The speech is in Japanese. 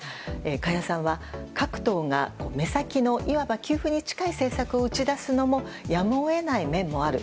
加谷さんは各党が目先のいわば給付に近い政策を打ち出すのもやむを得ない面もある。